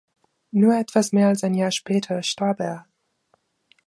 Nur etwas mehr als ein Jahr später starb er.